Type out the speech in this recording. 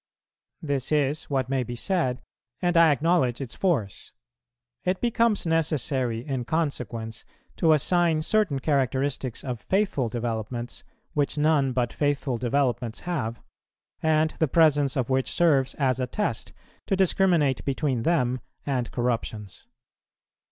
This is what may be said, and I acknowledge its force: it becomes necessary in consequence to assign certain characteristics of faithful developments, which none but faithful developments have, and the presence of which serves as a test to discriminate between them and corruptions.